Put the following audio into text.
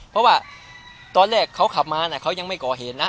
เพราะว่าตอนแรกเขาขับมาเขายังไม่ก่อเหตุนะ